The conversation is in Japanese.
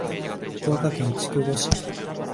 福岡県筑後市